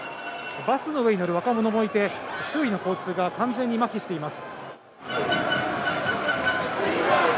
バスの上に乗る若者もいて、周囲の交通が完全にまひしています。